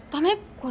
これ。